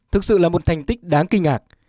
thực sự là một thành tích đáng kinh ngạc